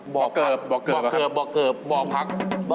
บอกเกิบบอกพัก